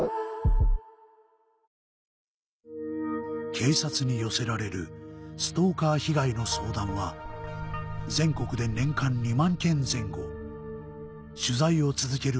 警察に寄せられるストーカー被害の相談は全国で年間２万件前後取材を続ける